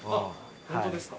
本当ですか。